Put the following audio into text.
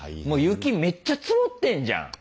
雪めっちゃ積もってんじゃん。